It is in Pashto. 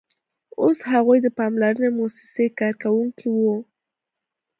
اوس هغوی د پاملرنې موسسې کارکوونکي وو